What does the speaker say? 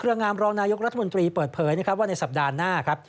เครื่องงามรองนายกรัฐมนตรีเปิดเผยว่าในสัปดาห์หน้า